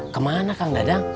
kemana kang dadang